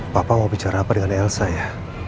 papa mau bicara apa dengan elsa ya